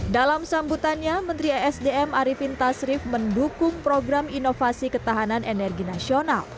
dalam sambutannya menteri esdm arifin tasrif mendukung program inovasi ketahanan energi nasional